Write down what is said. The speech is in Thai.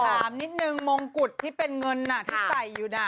ถามนิดนึงมงกุฎที่เป็นเงินที่ใส่อยู่น่ะ